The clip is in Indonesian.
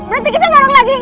berarti kita bareng lagi